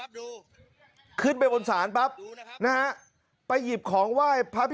ดูครับดูขึ้นไปบนศาลปั๊บดูนะครับนะฮะไปหยิบของไหว้พระพิ